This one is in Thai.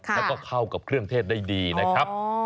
แล้วก็เข้ากับเครื่องเทศได้ดีนะครับ